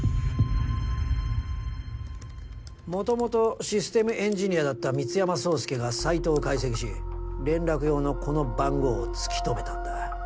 もともとシステムエンジニアだった美津山宗介がサイトを解析し連絡用のこの番号をつきとめたんだ。